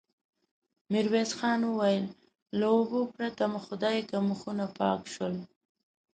ميرويس خان وويل: له اوبو پرته مو خدايکه مخونه پاک شول.